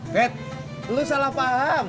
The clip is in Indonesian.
bet lu salah paham